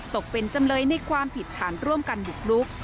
ตกเป็นจำเลยในความผิดฐานร่วมกันบุกลุก